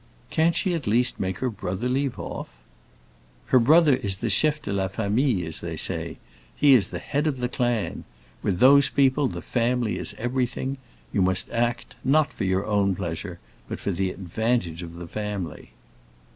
"Can't she at least make her brother leave off?" "Her brother is the chef de la famille, as they say; he is the head of the clan. With those people the family is everything; you must act, not for your own pleasure, but for the advantage of the family."